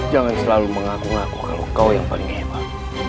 jangan selalu mengaku ngaku kalau kau yang paling hebat